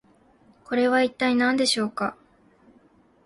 これは一体何でしょうか？